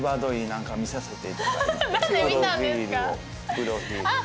プロフィールを。